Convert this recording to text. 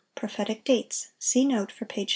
PROPHETIC DATES.—See note for page 329.